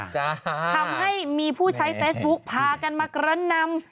ทำให้มีผู้ใช้เฟซบุ๊คพากันมากระนำ